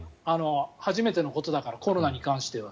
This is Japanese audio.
初めてのことだからコロナに関しては。